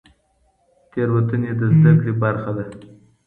تېروتنې د زده کړې برخه دي.